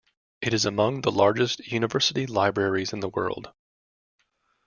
It is among the largest university libraries in the world.